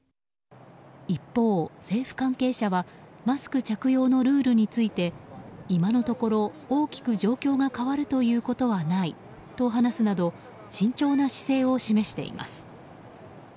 一方、政府関係者はマスク着用のルールについて今のところ大きく状況が変わるということはないと話すなど慎重な姿勢を示しています。